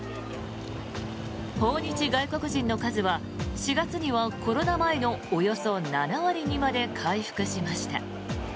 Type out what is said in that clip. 訪日外国人の数は４月にはコロナ前のおよそ７割にまで回復しました。